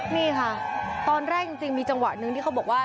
นี่ค่ะตอนแรกจริงมีจังหวะหนึ่งที่เขาบอกว่า